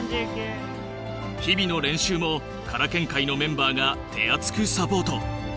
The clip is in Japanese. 日々の練習もからけん会のメンバーが手厚くサポート。